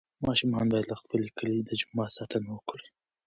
ماشومان باید د خپل کلي د جومات ساتنه وکړي.